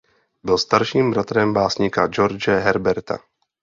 Byl starším bratrem básníka George Herberta.